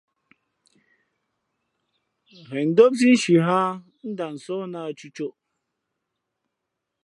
Ghen ndómsí nshi hᾱ ā, n ndah sóh nā a cʉ̄ʼcôʼ.